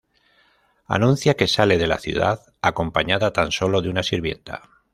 Anuncia que sale de la ciudad acompañada tan sólo de una sirvienta.